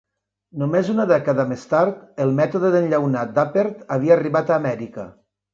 Només una dècada més tard, el mètode d'enllaunat d'Appert havia arribat a Amèrica.